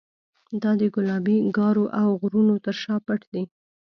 دا د ګلابي ګارو او غرونو تر شا پټ دی.